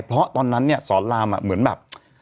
เพราะตอนนั้นเนี่ยสอนรามเหมือนแบบ